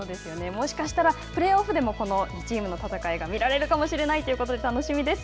もしかしたらプレーオフでもこの２チームの戦いが見られるかもしれないということで楽しみです。